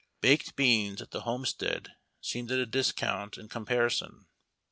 Baked beans at the homestead seemed at a discount in com parison.